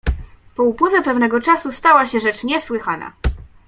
"Po upływie pewnego czasu stała się rzecz niesłychana."